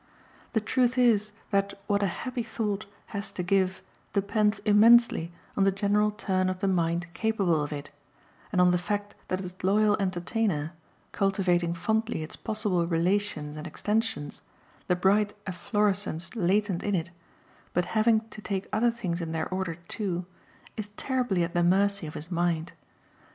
The truth is that what a happy thought has to give depends immensely on the general turn of the mind capable of it, and on the fact that its loyal entertainer, cultivating fondly its possible relations and extensions, the bright efflorescence latent in it, but having to take other things in their order too, is terribly at the mercy of his mind.